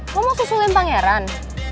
lo mau susulin pangeran